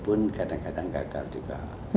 pun kadang kadang gagal juga